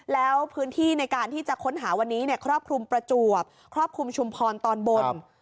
แล้วพื้นที่ในการที่จะค้นหาวันนี้ครอบคลุมประจวบครอบคลุมชุมพรตอนบน